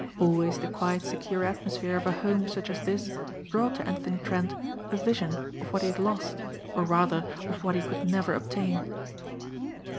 Always the quiet secure atmosphere of a home such as this brought to Anthony Trent a vision of what he had lost or rather of what he could never obtain.